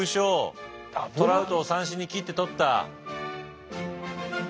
トラウトを三振に切って取った。